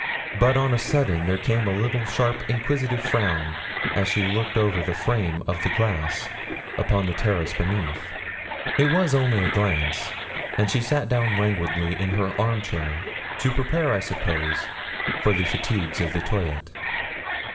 But on a sudden there came a little sharp inquisitive frown as she looked over the frame of the glass, upon the terrace beneath. It was only a glance, and she sat down languidly in her arm chair to prepare, I suppose, for the fatigues of the toilet.